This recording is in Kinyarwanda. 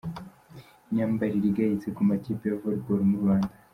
Imyambarire igayitse ku makipe ya Volleyball mu Rwanda.